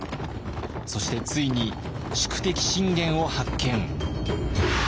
そしてついに宿敵信玄を発見。